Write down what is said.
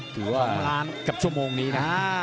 ถือว่ากับชั่วโมงนี้นะ